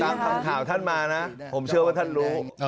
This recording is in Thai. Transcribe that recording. ทำข่าวท่านมานะผมเชื่อว่าท่านรู้